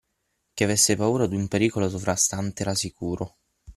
Che avesse paura d'un pericolo sovrastante era sicuro.